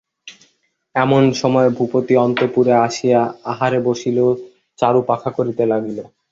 এমন সময় ভূপতি অন্তঃপুরে আসিয়া আহারে বসিল, চারু পাখা করিতে লাগিল।